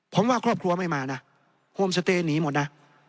ผมว่าครอบครัวไม่มานะโฮมสเตย์หนีหมดนะ